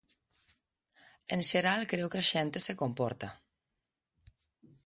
En xeral creo que a xente se comporta.